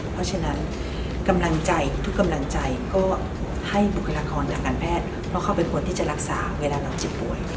เพราะฉะนั้นกำลังใจทุกกำลังใจก็ให้บุคลากรทางการแพทย์เพราะเขาเป็นคนที่จะรักษาเวลาเราเจ็บป่วย